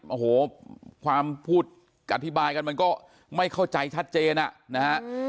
โอ้โหความพูดอธิบายกันมันก็ไม่เข้าใจชัดเจนอ่ะนะฮะ